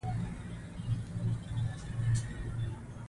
اداري دعوې د شخړو حل اسانه کوي.